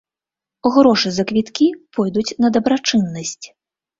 Грошы за квіткі пойдуць на дабрачыннасць.